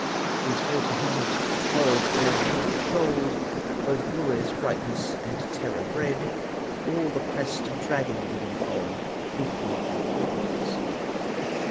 His haughty helmet, horrid all with gold, Both glorious brightness and great terror bred, For all the crest a dragon did enfold With greedy paws.